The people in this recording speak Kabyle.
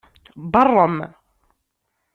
Beṛṛem.